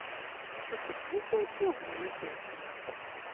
そして最低気温を見ていきますと札幌。